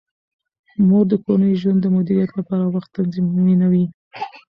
مور د کورني ژوند د مدیریت لپاره وخت تنظیموي.